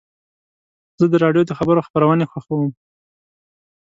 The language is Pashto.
زه د راډیو د خبرو خپرونې خوښوم.